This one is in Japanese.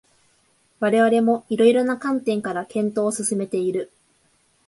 我々も色々な観点から検討を進めている